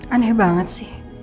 aneh banget sih